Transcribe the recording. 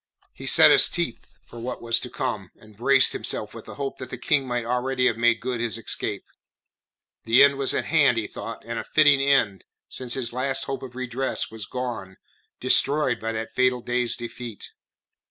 He set his teeth for what was to come, and braced himself with the hope that the King might already have made good his escape. The end was at hand, he thought, and a fitting end, since his last hope of redress was gone destroyed by that fatal day's defeat.